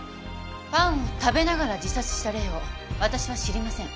パンを食べながら自殺した例を私は知りません。